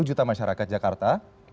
sepuluh juta masyarakat jakarta